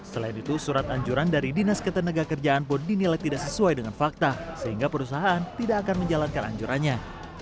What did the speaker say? selain itu surat anjuran dari dinas ketenaga kerjaan pun dinilai tidak sesuai dengan fakta sehingga perusahaan tidak akan menjalankan anjurannya